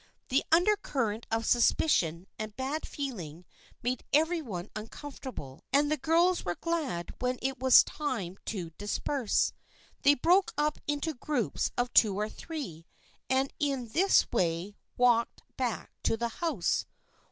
The undercurrent of suspicion and bad feeling made every one uncomfortable and the girls were glad when it was time to disperse. They broke up into groups of two or three, and in this way walked back to the house.